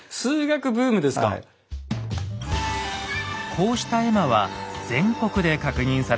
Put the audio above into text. こうした絵馬は全国で確認されています。